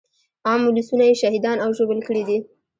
عام ولسونه يې شهیدان او ژوبل کړي دي.